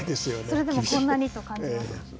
それでもこんなにと感じられますか。